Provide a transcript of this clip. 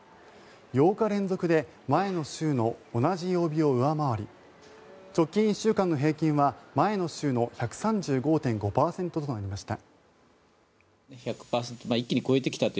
８日連続で前の週の同じ曜日を上回り直近１週間の平均は前の週の１３５．５％となりました。